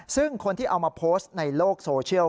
ซึ่งคนที่เอามาโพสต์ในโลกโซเชียล